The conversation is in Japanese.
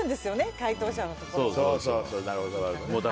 回答者のところに。